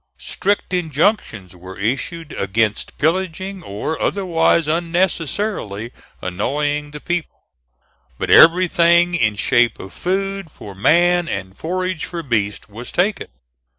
Strict injunctions were issued against pillaging, or otherwise unnecessarily annoying the people; but everything in shape of food for man and forage for beast was taken.